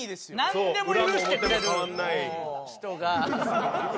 なんでも許してくれる人が。